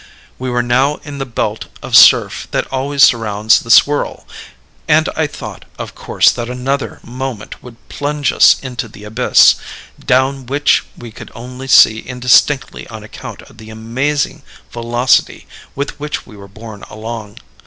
"We were now in the belt of surf that always surrounds the whirl; and I thought, of course, that another moment would plunge us into the abyss down which we could only see indistinctly on account of the amazing velocity with which we were borne along.